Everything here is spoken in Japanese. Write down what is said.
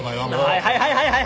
はいはいはいはい！